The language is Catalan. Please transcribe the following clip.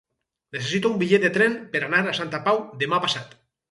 Necessito un bitllet de tren per anar a Santa Pau demà passat.